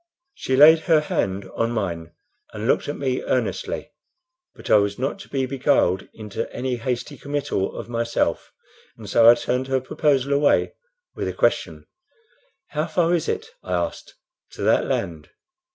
She laid her hand on mine and looked at me earnestly; but I was not to be beguiled into any hasty committal of myself, and so I turned her proposal away with a question: "How far is it," I asked, "to that land?"